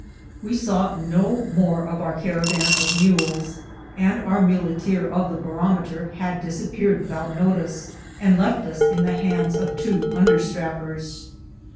We saw nd more of our caravan of mules, and our muleteer of the barometer had disappeared without 58 INCIDENTS OP TRATBIh notice, and left us in the hands of two understrap pers.